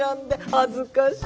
恥ずかしい。